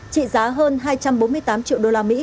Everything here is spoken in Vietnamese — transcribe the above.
trị giá hơn hai trăm bốn mươi tám triệu usd